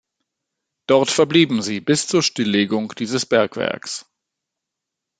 Dort verblieben sie bis zur Stilllegung dieses Bergwerks.